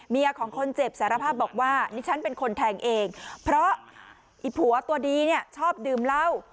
ของคนเจ็บสารภาพบอกว่านี่ฉันเป็นคนแทงเองเพราะไอ้ผัวตัวดีเนี่ยชอบดื่มเหล้า